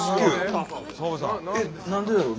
えっ何でだろう？